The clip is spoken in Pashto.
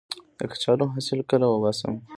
د کچالو حاصل کله وباسم؟